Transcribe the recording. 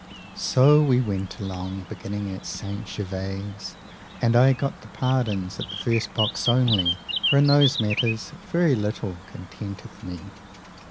So we went along, beginning at St. Gervase, and I got the pardons at the first box only, for in those matters very little contenteth me.